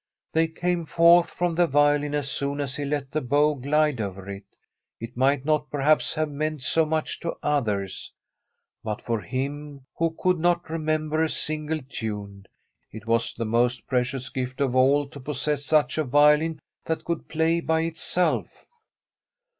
They came forth from the violin as soon as he let the bow glide over it. It might not, perhaps, have meant so much to others, but for him, who could not remember a single tune, it was the most precious gift of all to pos sess such a violin that could play by itself.